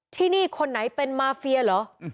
ที่นี่คนไหนเป็นมาเฟียเหรอ